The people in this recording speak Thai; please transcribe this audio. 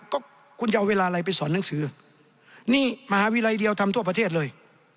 ก็คุณจะเอาเวลาอะไรไปสอนหนังสือนี่มหาวิทยาลัยเดียวทำทั่วประเทศเลย